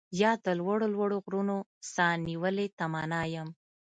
يا د لوړو لوړو غرونو، ساه نيولې تمنا يم